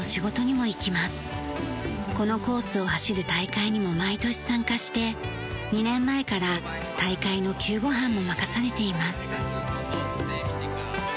このコースを走る大会にも毎年参加して２年前から大会の救護班も任されています。